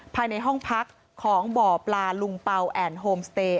ภายในห้องพักของบ่อปลาลุงเป่าแอนดโฮมสเตย์